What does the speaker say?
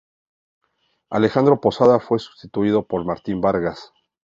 Alejandro Posada fue sustituido por Martín Vargas.